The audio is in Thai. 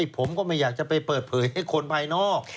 ผมก็ไม่อยากจะไปเปิดเผยให้คนภายนอก